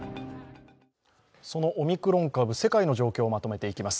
そのオミクロン株世界の状況をまとめていきます。